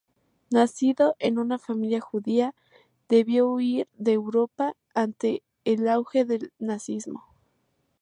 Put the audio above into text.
Nacido en una familia judía, debió huir de Europa ante el auge del nazismo.